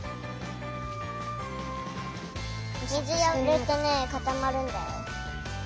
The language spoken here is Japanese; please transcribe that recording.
水をいれるとねかたまるんだよ。